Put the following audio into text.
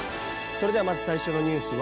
それではまず最初のニュースは。